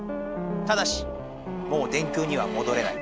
ただしもう「電空」にはもどれない。